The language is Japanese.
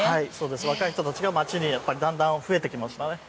若い人たちが街にだんだん増えてきましたね。